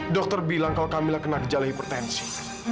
dokter bilang kalau kamilah kena gejala hipertensi